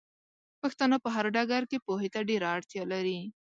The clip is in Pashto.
پښتانۀ په هر ډګر کې پوهې ته ډېره اړتيا لري